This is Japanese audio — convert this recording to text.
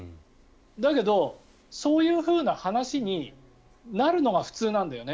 だけど、そういう話になるのが普通なんだよね。